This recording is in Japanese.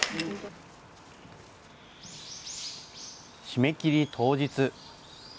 締め切り当日。